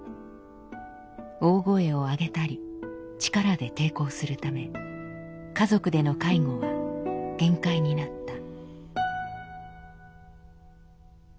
大声を上げたり力で抵抗するため家族での介護は限界になった。